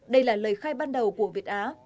đây là lời khai ban đầu của việt á